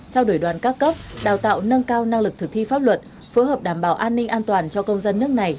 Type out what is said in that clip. trao đổi đoàn các cấp đào tạo nâng cao năng lực thực thi pháp luật phối hợp đảm bảo an ninh an toàn cho công dân nước này